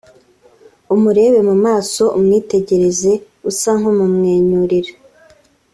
umurebe mu maso umwitegereza usa nk’umumyenyurira